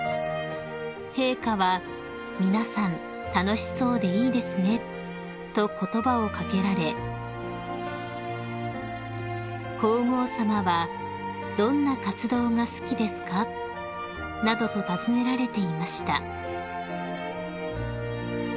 ［陛下は「皆さん楽しそうでいいですね」と言葉を掛けられ皇后さまは「どんな活動が好きですか？」などと尋ねられていました］